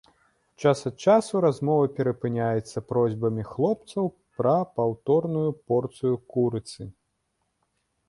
Час ад часу размова перапыняецца просьбамі хлопцаў пра паўторную порцыю курыцы.